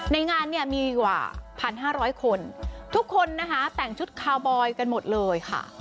ในงานเนี่ยมีกว่า๑๕๐๐คนทุกคนนะคะแต่งชุดคาวบอยกันหมดเลยค่ะ